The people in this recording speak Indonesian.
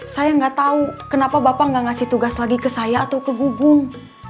saya gak tau kenapa bapak gak ngasih tugas lagi ke saya atau ke gugung